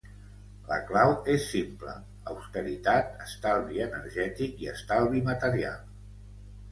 La clau és simple: austeritat, estalvi energètic i estalvi material.